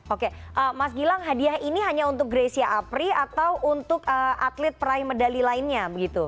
oke mas gilang hadiah ini hanya untuk grecia apri atau untuk atlet peraih medali lainnya begitu